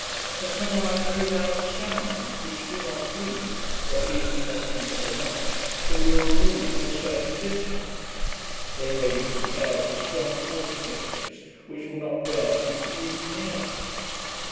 ] and some are like very loud sounds, which do not please, or at least do not please so much, till you are removed to a certain distance. They may be compared to strong coarse pictures, which will not bear to be viewed near.